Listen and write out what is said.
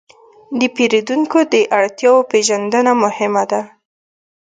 د پیرودونکو د اړتیاوو پېژندنه مهمه ده.